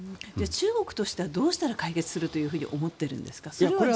中国としたらどうしたら解決すると思ってるんですか？